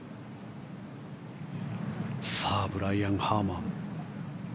ブライアン・ハーマン。